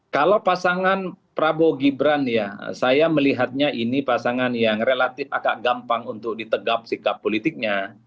kalau pasangan prabowo gibran ya saya melihatnya ini pasangan yang relatif agak gampang untuk ditegap sikap politiknya